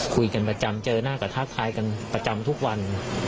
คุยกันประจำเจอหน้าก็ทักทายกันประจำทุกวัน